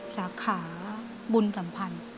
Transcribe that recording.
สาขาบุญสัมพันธ์